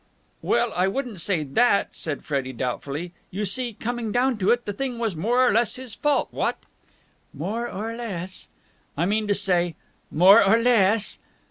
"Well, I wouldn't say that," said Freddie doubtfully. "You see, coming down to it, the thing was more or less his fault, what?" "More or less!" "I mean to say...." "More or less!"